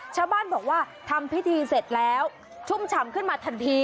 ชาวบ้านบอกว่าทำพิธีเสร็จแล้วชุ่มฉ่ำขึ้นมาทันที